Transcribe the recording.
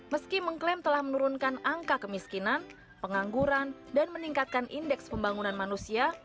meski mengklaim telah menurunkan angka kemiskinan pengangguran dan meningkatkan indeks pembangunan manusia